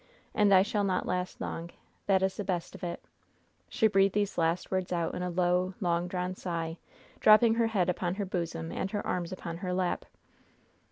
And I shall not last long. That is the best of it." She breathed these last words out in a low, long drawn sigh, dropping her head upon her bosom and her arms upon her lap.